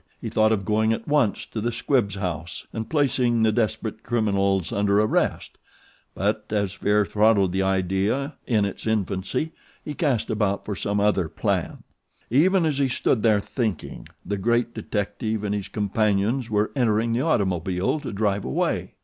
He thought of going at once to the Squibbs' house and placing the desperate criminals under arrest; but as fear throttled the idea in its infancy he cast about for some other plan. Even as he stood there thinking the great detective and his companions were entering the automobile to drive away.